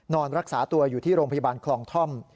นอนรักษาตัวอยู่ที่โรงพยาบาลคลองท่อม